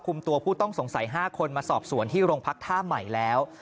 ตัวผู้ต้องสงสัย๕คนมาสอบสวนที่โรงพักท่าใหม่แล้ว